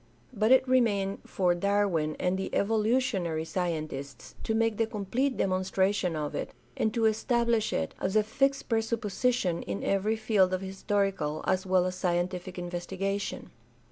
But it remained for Darwin and the evolutionary scientists to make the complete demonstration of it, and to establish it as a fixed presupposition in every Held of historical as well as scientific investigation.